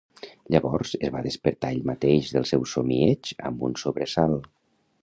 Llavors es va despertar ell mateix del seu somieig amb un sobresalt.